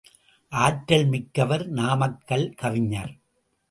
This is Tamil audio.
ஆற்றல் மிக்கவர் நாமக்கல் கவிஞர்.